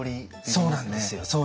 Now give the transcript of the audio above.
そうなんですよ。